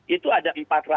itu ada empat ratus